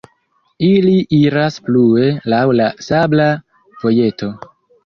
Ili iras plue laŭ la sabla vojeto.